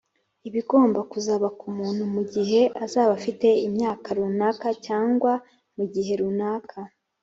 ibigomba kuzaba ku muntu mu gihe azaba afite imyaka runaka cyangwa mu gihe runaka,